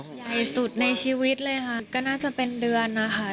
ใหญ่สุดในชีวิตเลยค่ะก็น่าจะเป็นเดือนนะคะ